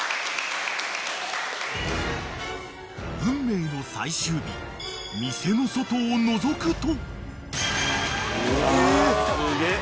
［運命の最終日店の外をのぞくと］